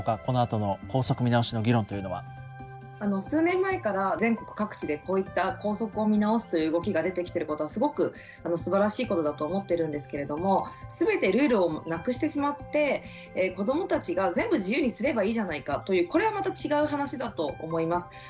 数年前から全国各地でこういった校則を見直すという動きが出てきてることはすごくすばらしいことだと思ってるんですけれども全てルールをなくしてしまって子どもたちが全部自由にすればいいじゃないかというこれはまた違う話だと思います。